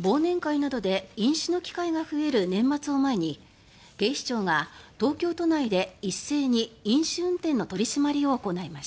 忘年会などで飲酒の機会が増える年末を前に警視庁が東京都内で一斉に飲酒運転の取り締まりを行いました。